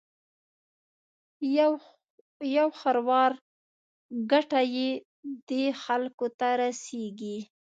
یو خروار ګټه یې دې خلکو ته رسېږي.